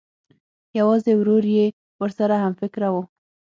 یوازې ورور یې ورسره همفکره و